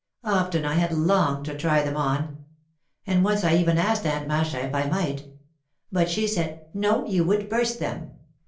Often I had longed to try them on. And once I even asked Aunt Masha if I might. But she said, "No, you would burst them."